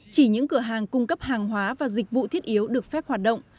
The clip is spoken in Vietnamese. chỉ những cửa hàng cung cấp hàng hóa và dịch vụ thiết yếu được phép hoạt động